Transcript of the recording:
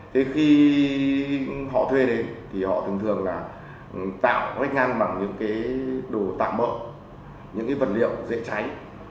thế khi họ thuê đến thì họ thường thường là tạo ra ngăn bằng những cái đồ tạm bỡ những cái vật liệu dễ cháy